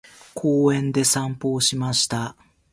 公園で散歩をしました。